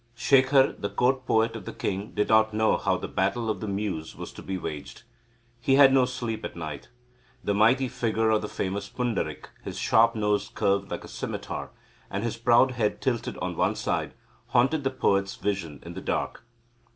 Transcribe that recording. Shekhar, the court poet of the king did not know how the battle of the muse was to be waged. He had no sleep at night. The mighty figure of the famous Pundarik, his sharp nose curved like a scimitar, and his proud head tilted on one side, haunted the poet's vision in the dark.